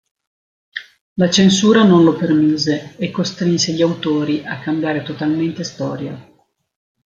La censura non lo permise e costrinse gli autori a cambiare totalmente storia.